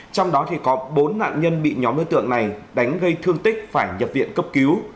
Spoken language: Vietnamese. trong đó có bốn nạn nhân bị nhóm đối tượng này đánh gây thương tích phải nhập viện cấp cứu